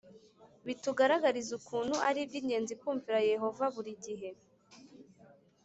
Bitugaragariza ukuntu ari iby ingenzi kumvira Yehova buri gihe